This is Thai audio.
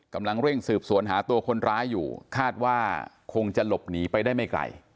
กำลังเร่งสืบสวนหาตัวคนร้ายอยู่คาดว่าคงจะหลบหนีไปได้ไม่ไกล